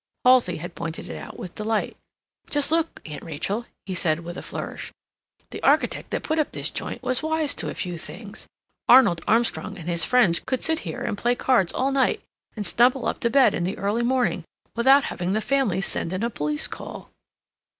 Halsey had pointed it out with delight. "Just look, Aunt Rachel," he said with a flourish. "The architect that put up this joint was wise to a few things. Arnold Armstrong and his friends could sit here and play cards all night and stumble up to bed in the early morning, without having the family send in a police call."